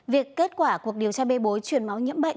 việc kết quả cuộc điều tra bê bối truyền máu nhiễm bệnh